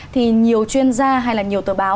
thì nhiều chuyên gia hay là nhiều tờ báo